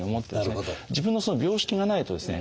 自分の病識がないとですね